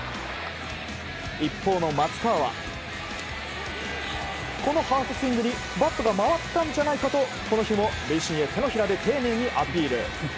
一方の松川はこのファーストスイングにバットが回ったんじゃないかとこの日も塁審へ丁寧にアピール。